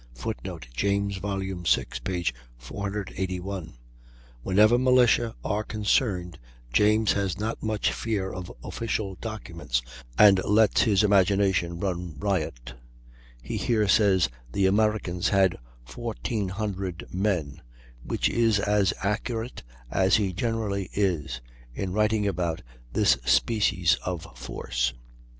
[Footnote: James, vi. 481. Whenever militia are concerned James has not much fear of official documents and lets his imagination run riot; he here says the Americans had 1,400 men, which is as accurate as he generally is in writing about this species of force.